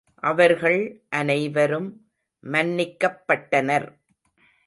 அவர்கள் அனைவரும் மன்னிக்கப்பட்டனர்.